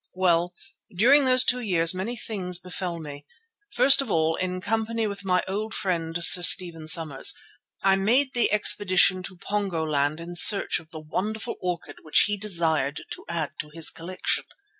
Well, during those two years many things befell me. First of all, in company with my old friend Sir Stephen Somers, I made the expedition to Pongoland in search of the wonderful orchid which he desired to add to his collection.